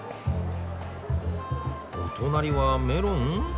お隣はメロン？